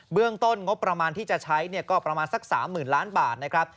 เรื่องต้นงบประมาณที่จะใช้ก็ประมาณสัก๓๐๐๐ล้านบาทนะครับ